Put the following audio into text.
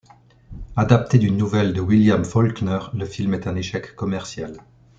Adapté d'une nouvelle de William Faulkner, le film est un échec commercial.